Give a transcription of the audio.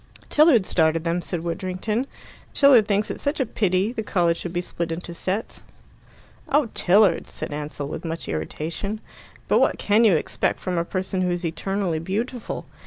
"Tilliard started them," said Widdrington. "Tilliard thinks it such a pity the college should be split into sets." "Oh, Tilliard!" said Ansell, with much irritation. "But what can you expect from a person who's eternally beautiful?